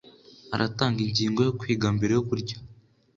Aratanga ingingo yo kwiga mbere yo kurya.